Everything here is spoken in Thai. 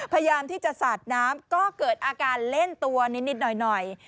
พยายามที่จะสาดน้ำก็เกิดอาการเล่นตัวนิดหน่อย